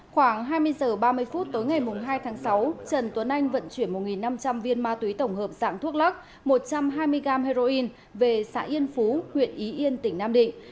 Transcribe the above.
khoảng hai mươi h ba mươi phút tối ngày hai tháng sáu trần tuấn anh vận chuyển một năm trăm linh viên ma túy tổng hợp dạng thuốc lắc một trăm hai mươi gram heroin về xã yên phú huyện ý yên tỉnh nam định